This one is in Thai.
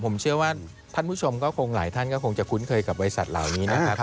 ผมเชื่อว่าท่านผู้ชมก็คงหลายท่านก็คงจะคุ้นเคยกับบริษัทเหล่านี้นะครับ